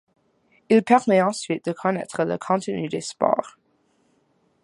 Il permet ensuite de connaître le contenu des spores.